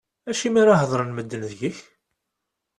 Acimi ara hedren medden deg-k?